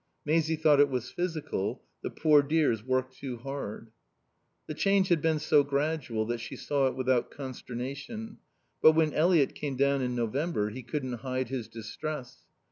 Maisie thought it was physical; the poor dears worked too hard. The change had been so gradual that she saw it without consternation, but when Eliot came down in November he couldn't hide his distress.